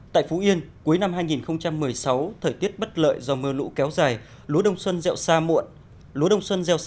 tại phú yên cuối năm hai nghìn một mươi sáu thời tiết bất lợi do mưa lũ kéo dài lúa đông xuân rèo xạ muộn